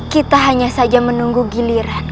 kita hanya saja menunggu giliran